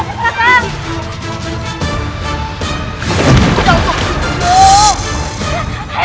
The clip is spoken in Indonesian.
tidak ada yang bisa diberikan kebenaran